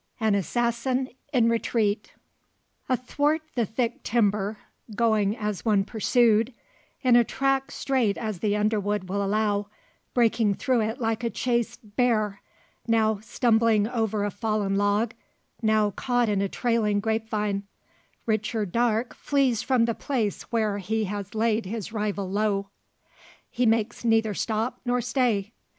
AN ASSASSIN IN RETREAT. Athwart the thick timber, going as one pursued in a track straight as the underwood will allow breaking through it like a chased bear now stumbling over a fallen log, now caught in a trailing grape vine Richard Darke flees from the place where he has laid his rival low. He makes neither stop, nor stay.